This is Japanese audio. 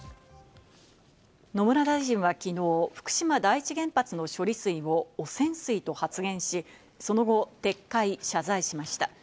野村大臣はきのう、福島第一原発の処理水を汚染水と発言し、その後、撤回・謝罪しました。